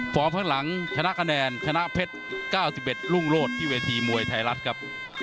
ข้างหลังชนะคะแนนชนะเพชร๙๑รุ่งโลศที่เวทีมวยไทยรัฐครับ